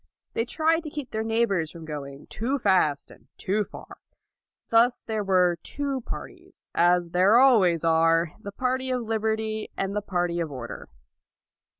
They tried to keep their neighbors from going too fast and too far. Thus there were two parties, as there always are, the party of liberty and the LAUD 215 party of order.